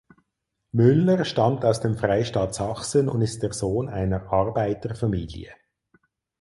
Müller stammt aus dem Freistaat Sachsen und ist der Sohn einer Arbeiterfamilie.